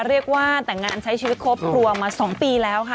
เรียกว่าแต่งงานใช้ชีวิตครอบครัวมา๒ปีแล้วค่ะ